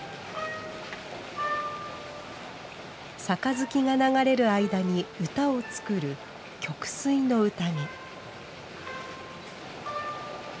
杯が流れる間に歌を作る「曲水の宴」。